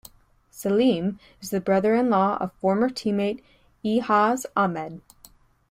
Saleem is the brother-in-law of former teammate Ijaz Ahmed.